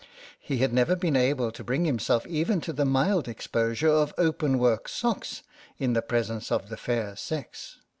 He had never been able to bring himself even to the mild exposure of open work socks in the presence of the fair sex.